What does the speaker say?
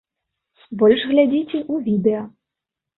Больш глядзіце ў відэа.